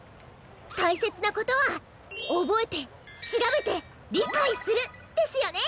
たいせつなことはおぼえてしらべてりかいする。ですよね！